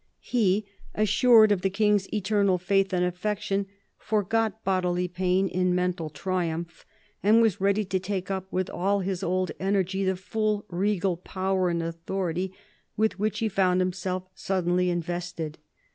He, assured of the King's eternal faith and affection, forgot bodily pain in mental triumph, and was ready to take up, with all his old energy, the full regal power and authority with which he found himself suddenly invested.